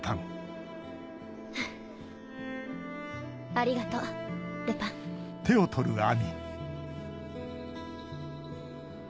ありがとうルパン。